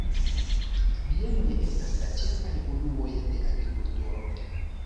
Bienoj estas la ĉefaj unuoj de agrikulturo.